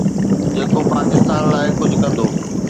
جيڪو پاڪستان لاءِ ڪجهه ڪندو